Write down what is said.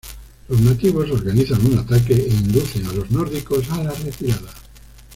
Los nativos organizan un ataque e inducen a los nórdicos a la retirada.